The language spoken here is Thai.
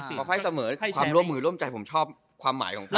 เพราะให้เสมอความร่วมมือร่วมใจผมชอบความหมายของผม